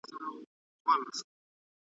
د مغولو زوال محلي حاکمانو ته لار هواره کړه.